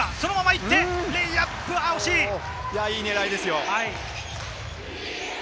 いい狙いですよ。